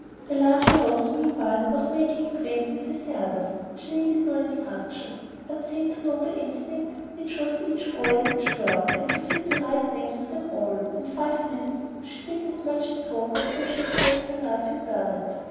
The larger Rose meanwhile was making acquaintance with the others. She needed no introductions, but seemed to know by instinct which was each boy and each girl, and to fit the right names to them all. In five minutes she seemed as much at home as though she had spent her life in Burnet.